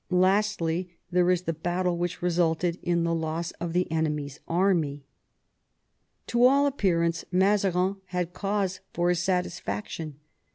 Lastly, there is the battle which resulted in the loss of the enemy's army." To all appearance Mazarin had cause for his satisfaction.